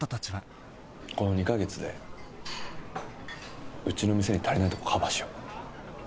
この２カ月でうちの店に足りないところをカバーしよう。